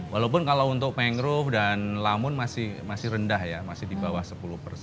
walaupun kalau untuk mangrove dan lamun masih rendah ya masih di bawah sepuluh persen